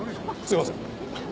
すいません。